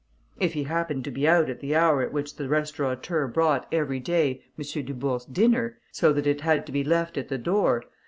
If he happened to be out at the hour at which the restaurateur brought, every day, M. Dubourg's dinner, so that it had to be left at the door, M.